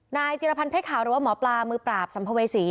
จิรพันธ์เพชรขาวหรือว่าหมอปลามือปราบสัมภเวษี